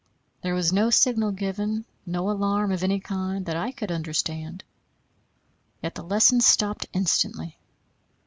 There was no signal given, no alarm of any kind that I could understand; yet the lesson stopped instantly.